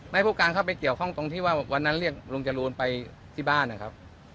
ให้ผู้การเข้าไปเกี่ยวข้องตรงที่ว่าวันนั้นเรียกลุงจรูนไปที่บ้านนะครับ